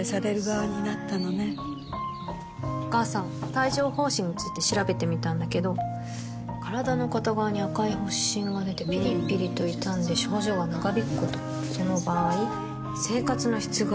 帯状疱疹について調べてみたんだけど身体の片側に赤い発疹がでてピリピリと痛んで症状が長引くこともその場合生活の質が低下する？